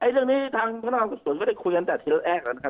เรื่องนี้ทางพนักงานสวนก็ได้คุยกันแต่ทีละแรกแล้วนะครับ